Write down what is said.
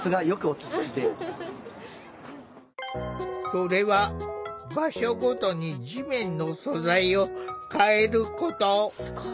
それは場所ごとに地面の素材を変えること。